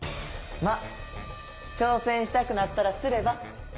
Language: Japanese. まぁ挑戦したくなったらすれば？